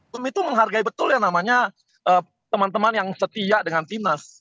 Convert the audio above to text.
tim itu menghargai betul yang namanya teman teman yang setia dengan timnas